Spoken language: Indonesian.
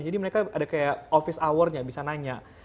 jadi mereka ada kayak office hour nya bisa nanya